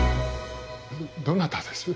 どなたです？